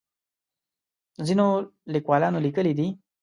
ځینو لیکوالانو لیکلي دي.